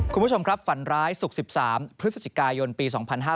คุณผู้ชมครับฝันร้ายศุกร์๑๓พฤศจิกายนปี๒๕๕๙